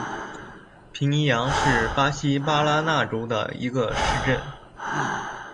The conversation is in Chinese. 皮尼扬是巴西巴拉那州的一个市镇。